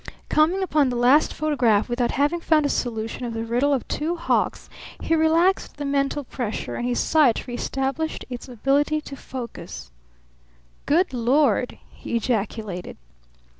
Coming upon the last photograph without having found a solution of the riddle of Two Hawks he relaxed the mental pressure; and his sight reestablished its ability to focus. "Good Lord!" he ejaculated.